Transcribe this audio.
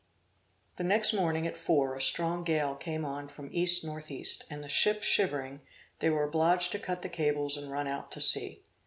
Next morning at four a strong gale came on from east north east, and the ship shivering, they were obliged to cut the cables and run out to sea.